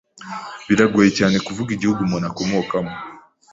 Biragoye cyane kuvuga igihugu umuntu akomokamo.